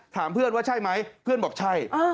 ถามเพื่อนว่าใช่ไหมเพื่อนบอกใช่